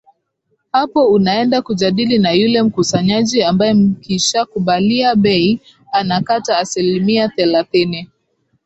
hapo unaenda kujadili na yule mkusanyaji ambaye mkishakubalia bei anakata asilimia thelathini